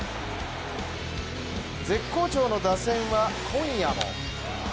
絶好調の打線は今夜も。